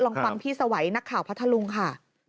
ลองฟังพี่สวัยนักข่าวพัทธลุงค่ะ